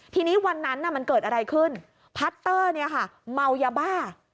ทีนี้วันนั้นมันเกิดอะไรขึ้นพัตเตอร์เนี่ยค่ะเมายาบ้า